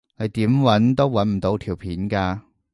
你點搵都搵唔到條片㗎